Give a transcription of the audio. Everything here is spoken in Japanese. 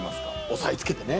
押さえ付けてね。